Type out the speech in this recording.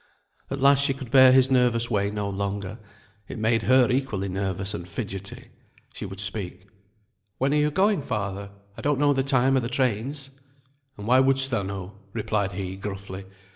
At last she could bear his nervous way no longer, it made her equally nervous and fidgetty. She would speak. "When are you going, father? I don't know the time o' the trains." "And why shouldst thou know?" replied he, gruffly.